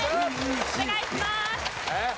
お願いします